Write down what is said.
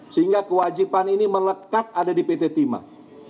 sehingga kewajiban ini melekat ada di pt timah